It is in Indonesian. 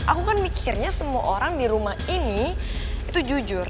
aku kan mikirnya semua orang di rumah ini itu jujur